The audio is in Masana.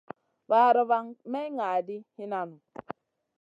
Vaara van may ŋa ɗi hinan nu.